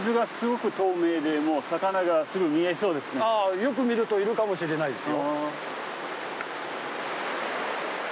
よく見るといるかもしれないですよ。